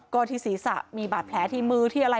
ก็ที่ศีรษะมีบาดแผลที่มือที่อะไร